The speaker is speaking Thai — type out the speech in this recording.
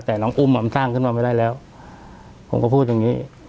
แต่น้องอุ้มอ่ะมันสร้างขึ้นมาไม่ได้แล้วผมก็พูดอย่างนี้